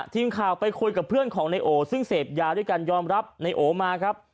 ทีมข่าวไปคุยกับเพื่อนของนายโอซึ่งเสพยาด้วยกันยอมรับในโอมาครับ